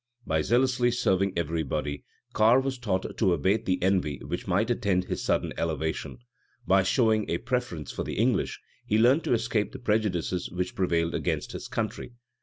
By zealously serving every body, Carre was taught to abate the envy which might attend his sudden elevation: by showing a preference for the English, he learned to escape the prejudices which prevailed against his country.